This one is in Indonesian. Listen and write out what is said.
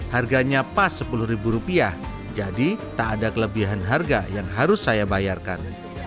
harganya pas sepuluh ribu rupiah jadi tak ada kelebihan harga yang harus saya bayarkan